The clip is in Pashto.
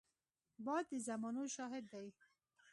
باد د زمانو شاهد دی